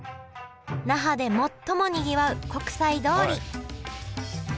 那覇で最もにぎわう国際通り。